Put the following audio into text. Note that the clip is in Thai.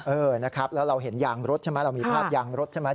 เออนะครับแล้วเราเห็นยางรถใช่ไหมเรามีภาพยางรถใช่ไหม